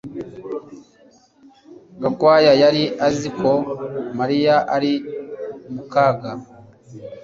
Gakwaya yari azi ko Mariya ari mu kaga